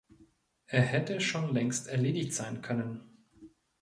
Er hätte schon längst erledigt sein können.